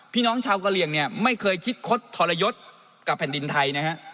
พี่น้องชาวกะเหลี่ยงเนี่ยไม่เคยคิดคดทรยศกับแผ่นดินไทยนะฮะ